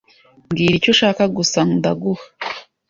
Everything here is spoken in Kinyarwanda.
Mbwira icyo ushaka gusa ndaguha.